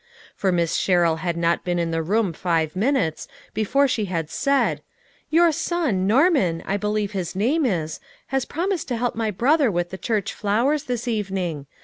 For Miss Sherrill had not been in the room five minutes before she had said :" Your son, Norman, I believe his name is, has promised to help my brother with the church flowers this evening.